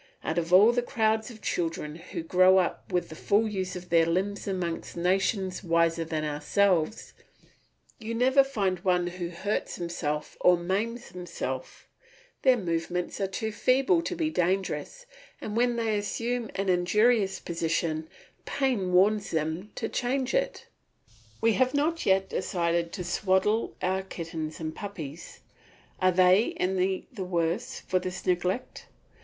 Out of all the crowds of children who grow up with the full use of their limbs among nations wiser than ourselves, you never find one who hurts himself or maims himself; their movements are too feeble to be dangerous, and when they assume an injurious position, pain warns them to change it. We have not yet decided to swaddle our kittens and puppies; are they any the worse for this neglect?